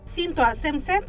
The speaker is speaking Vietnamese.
xin tòa xem xét